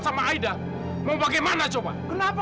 kamu tidak ada keadaan lovers